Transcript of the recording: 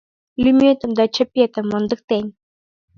Лӱметым да чапетым мондыктен.